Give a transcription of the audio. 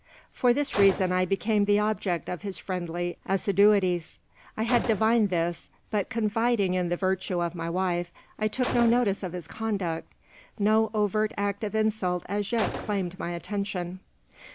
For this reason I became the object of his friendly assiduities. "I had divined this; but confiding in the virtue of my wife, I took no notice of his conduct. No overt act of insult as yet claimed my attention.